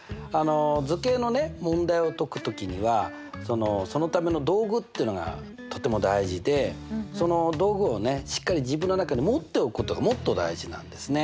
図形のね問題を解く時にはそのための道具っていうのがとても大事でその道具をしっかり自分の中に持っておくことがもっと大事なんですね。